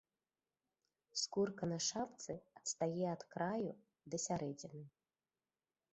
Скурка на шапцы адстае ад краю да сярэдзіны.